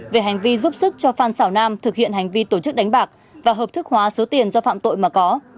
về hành vi giúp sức cho phan xảo nam thực hiện hành vi tổ chức đánh bạc và hợp thức hóa số tiền do phạm tội mà có